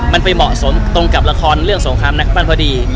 มันไปเหมาะสมตรงกับละครเรื่องสงครามนักปั้นพอดี